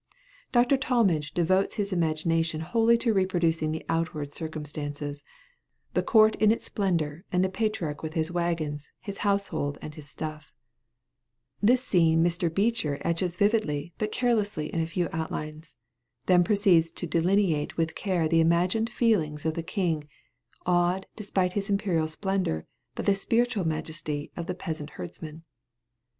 Dr. Talmage devotes his imagination wholly to reproducing the outward circumstances, the court in its splendor and the patriarch with his wagons, his household, and his stuff; this scene Mr. Beecher etches vividly but carelessly in a few outlines, then proceeds to delineate with care the imagined feelings of the king, awed despite his imperial splendor by the spiritual majesty of the peasant herdsman.